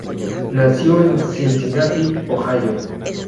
Nació en Cincinnati, Ohio.